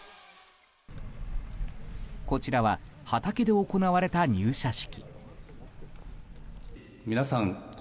こちらは、畑で行われた入社式。